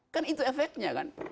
kan itu efeknya kan